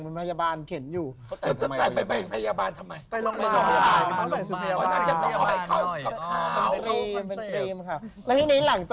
มันพยาบาลต้องเข็นสิคะ